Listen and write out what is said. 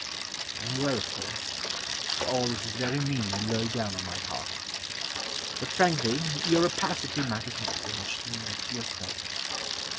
I am aware, of course, That all this is very mean And low down On my part, But frankly Your rapacity Matters not so much to me As to yourself.